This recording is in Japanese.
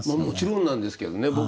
もちろんなんですけどね。